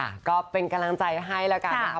ก็เป็นกำลังใจให้แล้วกันนะคะ